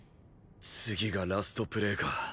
次がラストプレーか。